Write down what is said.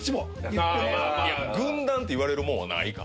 軍団って言われるもんはないか。